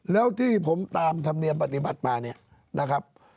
แล้วที่ผมตามธรรมเนียมปฏิบัติมาเนี่ยนะครับ